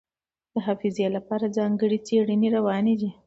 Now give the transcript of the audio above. د حافظې لپاره ځانګړې څېړنې روانې دي.